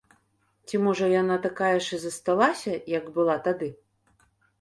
Ці можа яна такая ж і засталася, як была тады?